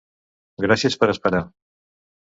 Gràcies per esperar.